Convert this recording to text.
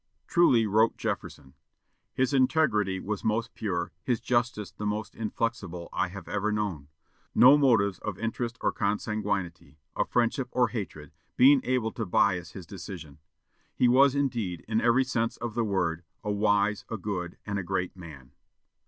Truly wrote Jefferson: "His integrity was most pure; his justice the most inflexible I have ever known; no motives of interest or consanguinity, of friendship or hatred, being able to bias his decision. He was, indeed, in every sense of the word, a wise, a good, and a great man."